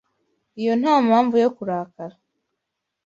Iyo ntampamvu yo kurakara.